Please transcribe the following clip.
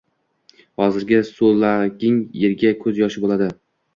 Hozirgi so`laging ertaga ko`z yoshi bo`ladi